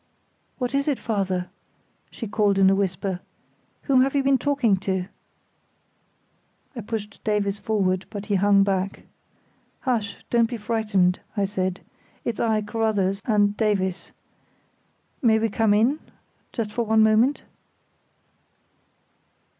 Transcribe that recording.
"What is it, father?" she called in a whisper. "Whom have you been talking to?" I pushed Davies forward, but he hung back. "Hush, don't be frightened," I said, "it's I, Carruthers, and Davies—and Davies. May we come in, just for one moment?"